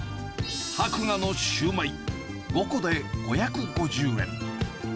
博雅のシュウマイ５個で５５０円。